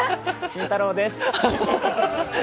慎太郎です。